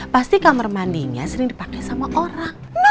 pasti kamar mandinya sering dipakai sama orang